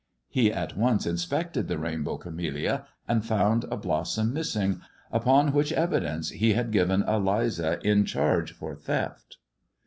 He at once inspected the rainbow camellia, and found a blossom missing, upon which evidence he had given Eliza in charge for theft.